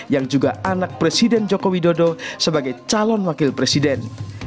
yang juga anak presiden joko widodo sebagai calon wakil presiden